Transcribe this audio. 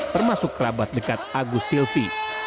termasuk kerabat dekat agus silvi